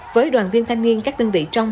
với đoàn viên thanh niên các đơn vị trong